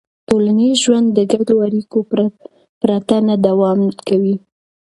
ټولنیز ژوند د ګډو اړیکو پرته نه دوام کوي.